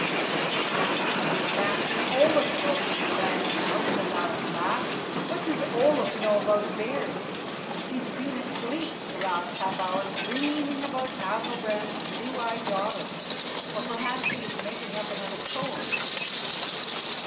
"What is the good of asking Olaf?" broke in Ragnar, with a loud laugh. "What does Olaf know about bears? He has been asleep for the last half hour dreaming of Athalbrand's blue eyed daughter; or perhaps he is making up another poem."